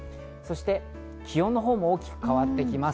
そして気温のほうも大きく変わってきます。